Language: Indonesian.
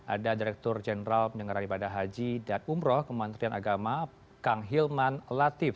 ada direktur jenderal penyelenggaraan ibadah haji dan umroh kementerian agama kang hilman latif